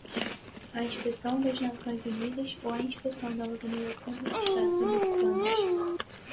a inspeção das Nações Unidas ou a inspeção da Organização dos Estados Americanos